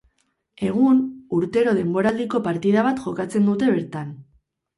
Egun, urtero denboraldiko partida bat jokatzen dute bertan.